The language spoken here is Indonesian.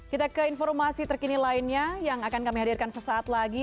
kita ke informasi terkini lainnya yang akan kami hadirkan sesaat lagi